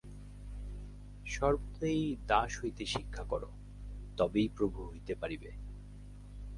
সর্বদাই দাস হইতে শিক্ষা কর, তবেই প্রভু হইতে পারিবে।